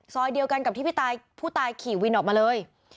ซอยเดียวกันกับที่พี่ผู้ตายขี่วินออกมาเลย